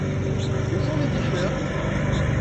Où sont les tee-shirts ?